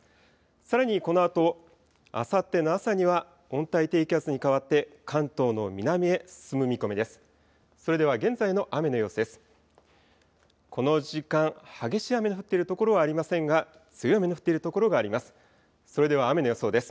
さらにこのあとあさっての朝には温帯低気圧に変わって関東の南へ進む見込みです。